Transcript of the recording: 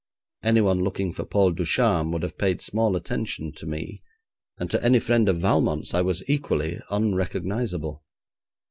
Anyone looking for Paul Ducharme would have paid small attention to me, and to any friend of Valmont's I was equally unrecognisable.